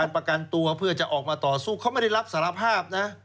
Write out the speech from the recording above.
ประกันตัวเพื่อจะออกมาต่อสู้เขาไม่ได้รับสารภาพนะ